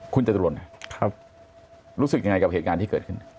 คุณเจตุรนครับรู้สึกอย่างไรกับเหตุงานที่เกิดขึ้น